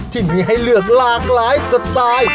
ที่มีให้เลือกหลากหลายสไตล์